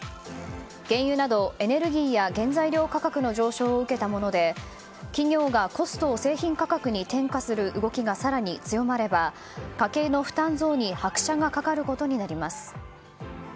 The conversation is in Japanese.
原油などエネルギーや原材料価格の上昇を受けたもので企業がコストを製品価格に転嫁する動きが更に強まれば家計の負担増に拍車がかかることになります。